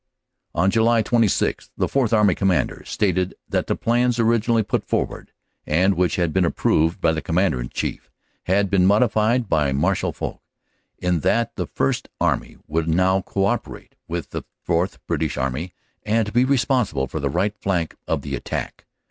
"On July 26 the Fourth Army Commander stated that the plans originally put forward, and which had been approved by the Commander in Chief, had been modified by Marshal Foch, in that the First French Army would now co operate with the Fourth British Army and be responsible for the right flank of the attack.